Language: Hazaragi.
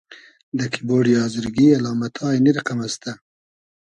دۂ کیبۉرۮی آزرگی الامئتا اېنی رئقئم استۂ: